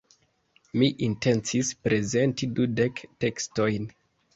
Mi intencis prezenti dudek tekstojn.